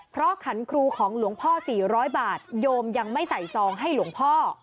เพราะขันครูของหลวงพ่อ๔๐๐บาทโยมยังไม่ใส่ซองให้หลวงพ่อ